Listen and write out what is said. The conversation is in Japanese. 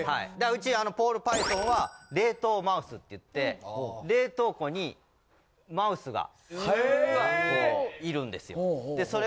ウチボールパイソンは冷凍マウスっていって冷凍庫にマウスがいるんですよ。